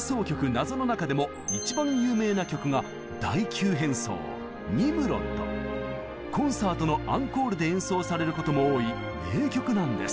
「謎」の中でも一番有名な曲がコンサートのアンコールで演奏されることも多い名曲なんです。